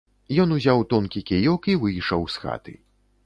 Ён узяў тонкі кіёк і выйшаў з хаты.